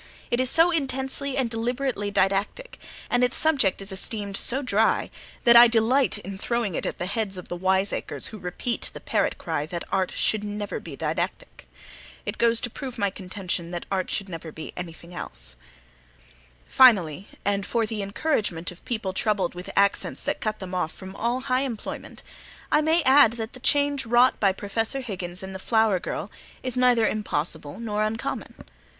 It is so intensely and deliberately didactic, and its subject is esteemed so dry, that I delight in throwing it at the heads of the wiseacres who repeat the parrot cry that art should never be didactic. It goes to prove my contention that art should never be anything else. Finally, and for the encouragement of people troubled with accents that cut them off from all high employment, I may add that the change wrought by Professor Higgins in the flower girl is neither impossible nor uncommon.